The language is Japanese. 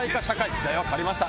時代は変わりました！